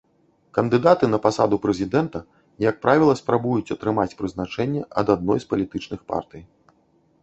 Кандыдаты на пасаду прэзідэнта, як правіла, спрабуюць атрымаць прызначэнне ад адной з палітычных партый.